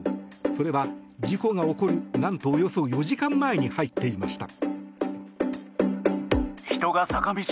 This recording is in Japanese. それは事故が起こる何と、およそ４時間前に入っていました。